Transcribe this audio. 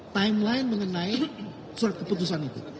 timeline mengenai surat keputusan itu